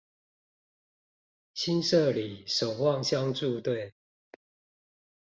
新社里守望相助隊